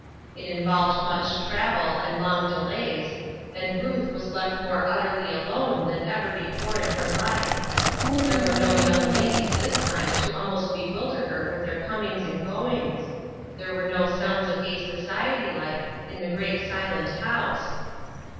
It involved much travel, and long delays, and Ruth was left more utterly alone than ever before in her life. There were no young ladies this time to almost bewilder her with their comings 306 A WAITING WORKER. and goings ; there were no sounds of gay society life in the great silent house.